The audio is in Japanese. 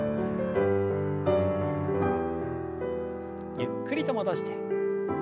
ゆっくりと戻して。